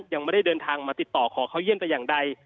ยังไม่ได้เดินทางมาติดต่อขอเข้าเยี่ยมแต่อย่างใด